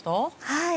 はい。